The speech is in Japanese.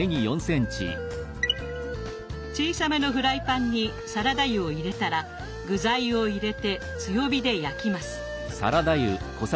小さめのフライパンにサラダ油を入れたら具材を入れて強火で焼きます。